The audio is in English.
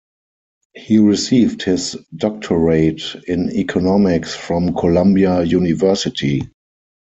He received his doctorate in economics from Columbia University.